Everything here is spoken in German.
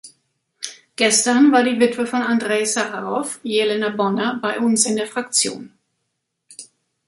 Gestern war die Witwe von Andrej Sacharow, Jelena Bonner, bei uns in der Fraktion.